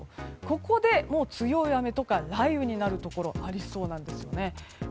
ここで、もう強い雨とか雷雨になるところがありそうなんですね。